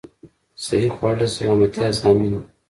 صحې خواړه د سلامتيا ضامن ده